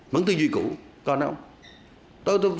vẫn tư duy cũ còn không